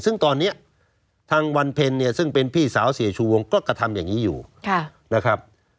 ซึ่งตอนนี้ทางวันเพลเนี่ยซึ่งเป็นพี่สาวเสียชูวงก็กระทำอย่างนี้อยู่นะครับ